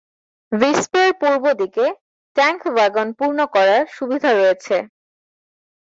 ভিস্পের পূর্ব দিকে tank wagon পূর্ণ করার সুবিধা রয়েছে।